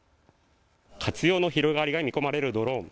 活用の広がりが見込まれるドローン。